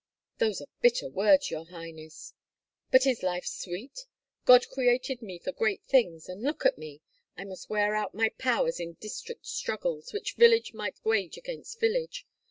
"Those are bitter words, your highness." "But is life sweet? God created me for great things, and look at me; I must wear out my powers in district struggles, which village might wage against village.